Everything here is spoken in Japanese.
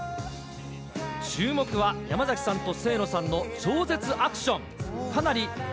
注目は山崎さんと清野さんの超絶アクション。